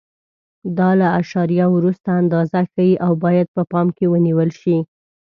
دا له اعشاریه وروسته اندازه ښیي او باید په پام کې ونیول شي.